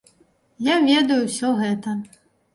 Я ведаю ўсё гэта.